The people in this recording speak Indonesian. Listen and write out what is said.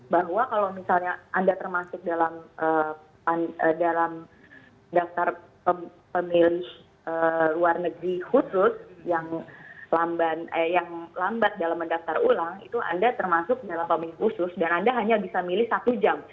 bahwa kalau misalnya anda termasuk dalam daftar pemilih luar negeri khusus yang lambat dalam mendaftar ulang itu anda termasuk dalam pemilih khusus dan anda hanya bisa milih satu jam